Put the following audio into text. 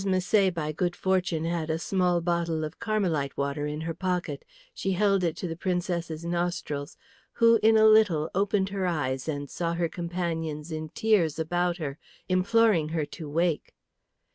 Misset by good fortune had a small bottle of Carmelite water in her pocket; she held it to the Princess's nostrils, who in a little opened her eyes and saw her companions in tears about her, imploring her to wake.